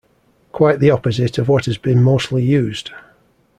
Quite the opposite of what has been mostly used.